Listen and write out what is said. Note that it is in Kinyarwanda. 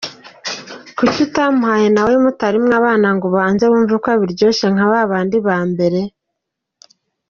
Kuki utamuhaye Nawe mutari mwabana ngo Ubanze wumve ko abiryoshya nka babandi ba mbere?.